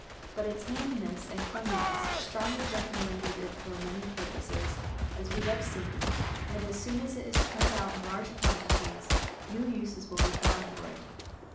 But its handiness and cleanliness strongly recommend it for many purposes, as we have seen; and as soon as it is turned out in large quantities new uses will be found for it.